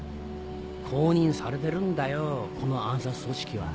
公認されてるんだよこの暗殺組織は。